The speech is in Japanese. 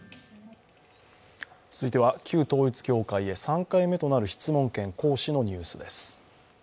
続いては、旧統一教会へ３回目となる質問権行使のニュースです。